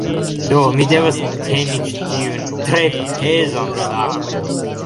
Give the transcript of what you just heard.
Do, mi devas teni ĉi tiun, tre pezan sakon